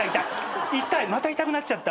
また痛くなっちゃった。